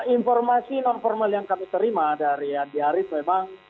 informasi non formal yang kami terima dari andi arief memang